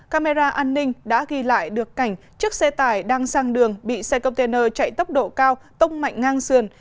camera an ninh đã ghi lại được cảnh chiếc xe tải đang sang đường bị xe container chạy tốc độ cao tông mạnh ngang sườn